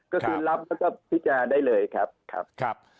ก็คือรับแล้วก็พิจารณาได้เลยครับครับ